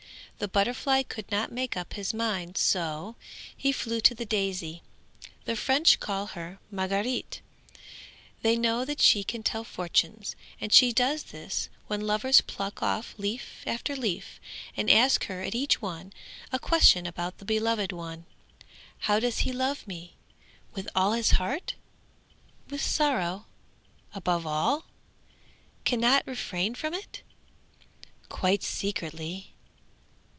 The butterfly could not make up his mind; so he flew to the daisy. The French call her Marguerite; they know that she can tell fortunes, and she does this when lovers pluck off leaf after leaf and ask her at each one a question about the beloved one: "How does he love me? With all his heart? With sorrow? Above all? Can not refrain from it? Quite secretly?